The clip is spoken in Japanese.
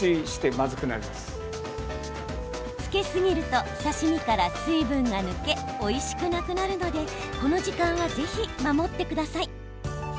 漬けすぎると刺身から水分が抜けおいしくなくなるのでこの時間はぜひ守ってください。